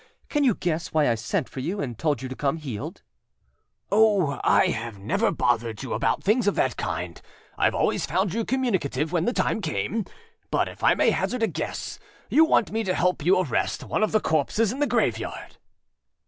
Can you guess why I sent for you, and told you to come heeled?â âOh, I never have bothered you about things of that kind. Iâve always found you communicative when the time came. But if I may hazard a guess, you want me to help you arrest one of the corpses in the graveyard.